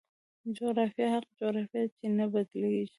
جغرافیه هغه جغرافیه ده چې نه بدلېږي.